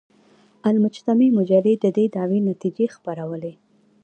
المجتمع مجلې د دې دعوې نتیجې خپرولې.